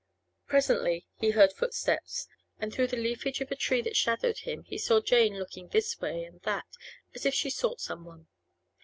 Presently he heard footsteps, and through the leafage of a tree that shadowed him he saw Jane looking this way and that, as if she sought some one.